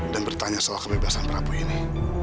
dan bertanya soal kebebasan prabu ini